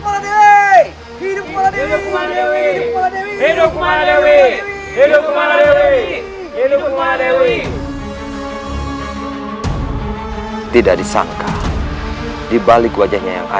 aku telah mengquéniknya